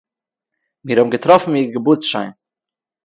מיר האָבן געטראָפן איר געבורטס-שיין